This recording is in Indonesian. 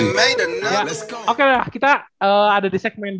makanya kita udah pane ke